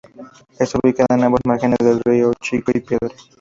Está ubicada a ambos márgenes del río Chico o Piedra.